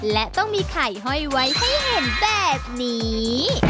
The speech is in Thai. และต้องมีไข่ห้อยไว้ให้เห็นแบบนี้